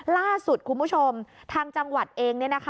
ล่าสุดคุณผู้ชมทางจังหวัดเอง